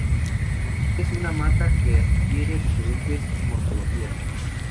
Es una mata que adquiere diferentes morfologías.